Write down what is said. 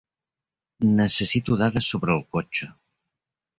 Necessito dades sobre el cotxe.